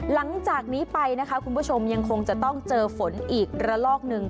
หลังจากนี้ไปนะคะคุณผู้ชมยังคงจะต้องเจอฝนอีกระลอกหนึ่ง